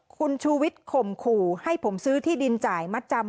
คุณชูวิทย์ข่มขู่ให้ผมซื้อที่ดินจ่ายมัดจำ